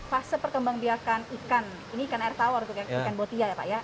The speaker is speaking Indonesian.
fase perkembang biakan ikan ini ikan air tawar ikan botia ya pak ya